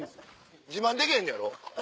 自慢できへんのやろ？